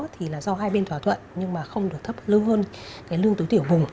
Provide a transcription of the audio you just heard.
thì là do hai bên thỏa thuận nhưng mà không được thấp lương hơn lương tối tiểu vùng